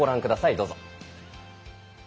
どうぞ。